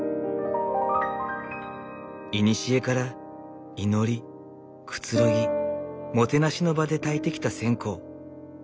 いにしえから祈りくつろぎもてなしの場でたいてきた線香。